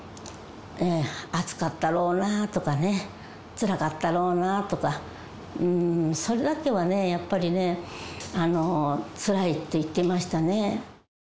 熱かったろうなとかね、つらかったろうなとか、それだけはやっぱりね、つらいって言ってましたね。